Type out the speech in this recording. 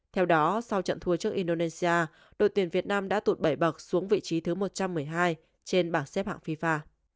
theo đó sau trận thua trước indonesia đội tuyển việt nam đã tụt bảy bậc xuống vị trí thứ một trăm một mươi hai trên bảng xếp hạng fifa